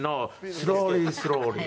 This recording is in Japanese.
スローリースローリー。